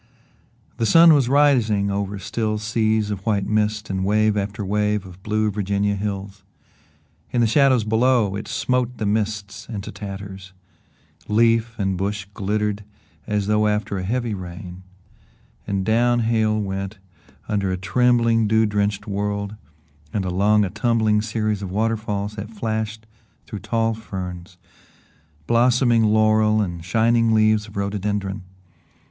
The sun was rising over still seas of white mist and wave after wave of blue Virginia hills. In the shadows below, it smote the mists into tatters; leaf and bush glittered as though after a heavy rain, and down Hale went under a trembling dew drenched world and along a tumbling series of water falls that flashed through tall ferns, blossoming laurel and shining leaves of rhododendron.